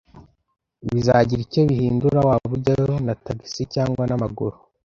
Bizagira icyo bihindura waba ujyayo na tagisi cyangwa n'amaguru